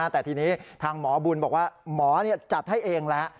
แต่ทีนี้ทางหมอบุญบอกว่าหมอจัดให้เองแล้ว